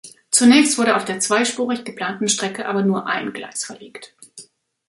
Zunächst wurde auf der zweispurig geplanten Strecke aber nur ein Gleis verlegt.